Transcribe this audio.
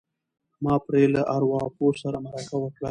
ما پرې له ارواپوه سره مرکه وکړه.